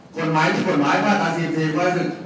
กฎหมายที่กฎหมายว่าตัดสินทรีย์ก็อย่างซึ่ง